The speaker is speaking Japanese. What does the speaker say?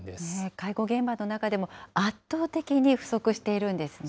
介護現場の中でも圧倒的に不足しているんですね。